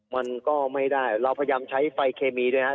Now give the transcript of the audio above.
มันก็ไม่ได้เราพยายามใช้ไฟเคมีด้วยครับ